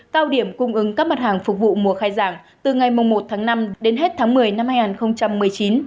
cao điểm cung ứng các mặt hàng phục vụ mùa khai giảng từ ngày một tháng năm đến hết tháng một mươi năm hai nghìn một mươi chín